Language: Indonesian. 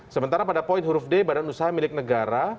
sementara pada poin huruf d badan usaha milik negara